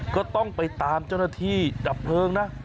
ก็ต้องไปตามเจ้าหน้าที่ดับเพลิงนะ